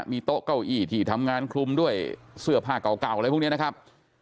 มีโต๊ะเก้าอี้ที่ทำงานคลุมด้วยเสื้อผ้าเก่าอะไรพวกนี้นะครับ